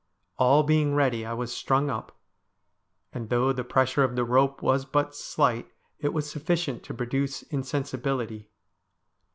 All being ready I was strung up, and though the pressure of the rope was but slight it was sufficient to produce insensibility.